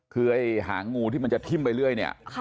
คือไอ้หางงูที่มันจะทิ้มไปเรื่อยเนี่ย